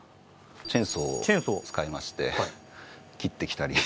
チェーンソーを使いまして切ってきたり。